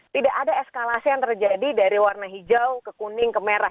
tidak ada eskalasi yang terjadi dari warna hijau ke kuning ke merah